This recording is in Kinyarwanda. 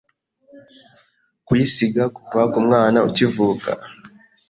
kuyisiga. Kuva ku mwana ukivuka